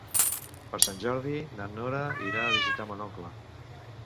Per Sant Jordi na Nora irà a visitar mon oncle.